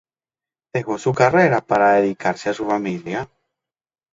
Dejó su carrera para dedicarse a su familia.